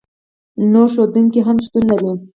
نور ښودونکي هم شتون لري.